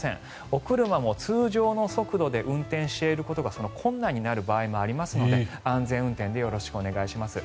お車も通常の速度で運転していることが困難になる場合もありますので安全運転でよろしくお願いします。